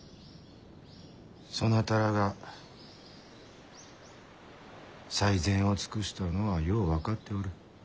そなたらが最善を尽くしたのはよう分かっておる。